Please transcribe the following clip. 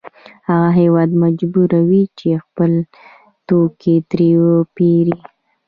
هغه هېواد مجبوروي چې خپل توکي ترې وپېري